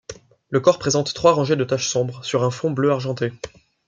Le corps présente trois rangées de taches sombres sur un fond bleu argenté.